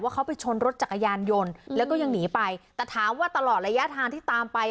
เขาไปชนรถจักรยานยนต์แล้วก็ยังหนีไปแต่ถามว่าตลอดระยะทางที่ตามไป